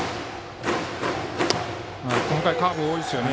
今回、カーブが多いですね。